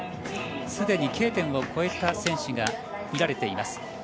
すでにＫ点を越えた選手が見られています。